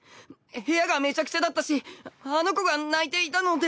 部屋がめちゃくちゃだったしあの子が泣いていたので。